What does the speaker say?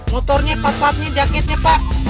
motornya papatnya jaketnya pak